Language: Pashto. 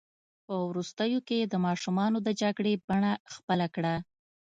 په وروستیو کې یې د ماشومانو د جګړې بڼه خپله کړه.